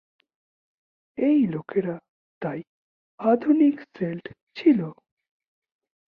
এই লোকেরা তাই আধুনিক সেল্ট ছিল।